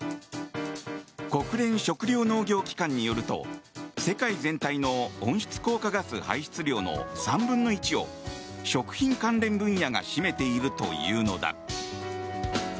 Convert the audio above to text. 国連食糧農業機関によると世界全体の温室効果ガス排出量の３分の１を食品関連分野が占めているというのだ。